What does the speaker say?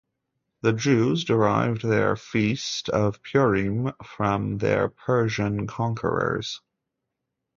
The Jews derived their feast of Purim from their Persian conquerors.